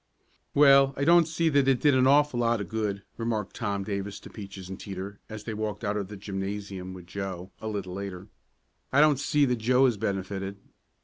"Well, I don't see as it did an awful lot of good," remarked Tom Davis to Peaches and Teeter, as they walked out of the gymnasium with Joe, a little later. "I don't see that Joe is benefitted."